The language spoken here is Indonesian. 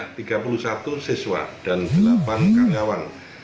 ada tiga puluh satu siswa dan delapan karyawan